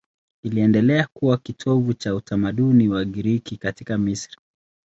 Iliendelea kuwa kitovu cha utamaduni wa Kigiriki katika Misri.